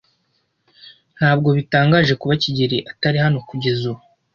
Ntabwo bitangaje kuba kigeli atari hano kugeza ubu?